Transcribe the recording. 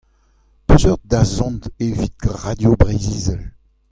Peseurt dazont evit Radio Breizh Izel ?